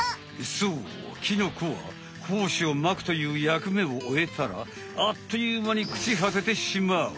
そうキノコはほうしをまくという役めをおえたらあっというまにくちはててしまう。